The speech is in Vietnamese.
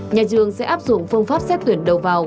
nhà trường sẽ áp dụng phương pháp xét tuyển đầu vào